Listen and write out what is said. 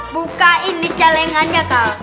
buka ini calengannya kak